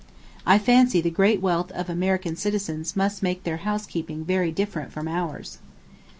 I fancy the great wealth of American citizens must make their housekeeping very different from ours."